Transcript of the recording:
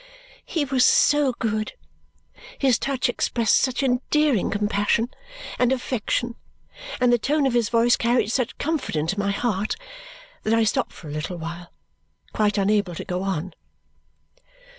He was so good, his touch expressed such endearing compassion and affection, and the tone of his voice carried such comfort into my heart that I stopped for a little while, quite unable to go on.